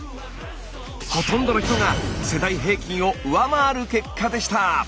ほとんどの人が世代平均を上回る結果でした！